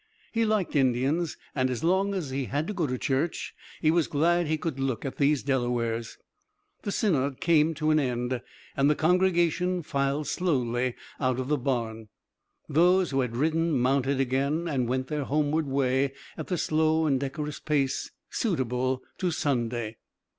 He liked Indians, and, as long as he had to go to church, he was glad he could look at these Delawares. The synod came to an end, and the congregation filed slowly out of the barn. Those who had ridden mounted again, and went their homeward way at the slow and decorous pace suitable to Sunday.